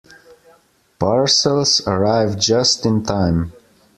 Parcels arrive just in time.